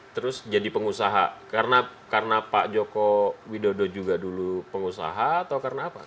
terus jadi pengusaha karena pak joko widodo juga dulu pengusaha atau karena apa